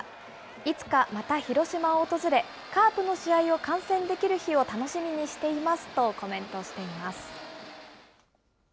いつかまた広島を訪れ、カープの試合を観戦できる日を楽しみにしていますとコメントしています。